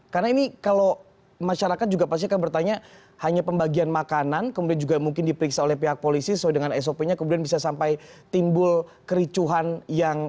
karena ini kalau masyarakat juga pasti akan bertanya hanya pembagian makanan kemudian juga mungkin diperiksa oleh pihak polisi sesuai dengan sop nya kemudian bisa sampai timbul kericuhan yang